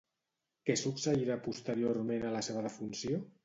Què succeirà posteriorment a la seva defunció?